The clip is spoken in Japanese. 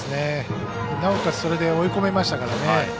なおかつ、それで追い込みましたからね。